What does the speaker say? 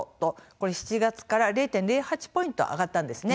７月から０．０８ポイント上がったんです。